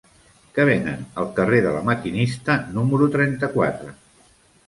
Què venen al carrer de La Maquinista número trenta-quatre?